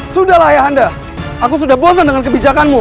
sudahlah ya anda aku sudah bosan dengan kebijakanmu